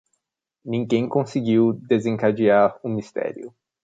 Ninguém conseguiu desencadear o mistério.